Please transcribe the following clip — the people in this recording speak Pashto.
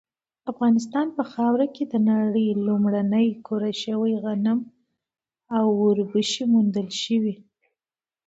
افغانستان په خاوره کې د نړۍ لومړني کره شوي غنم او وربشې موندل شوي